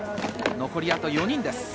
残りはあと４人です。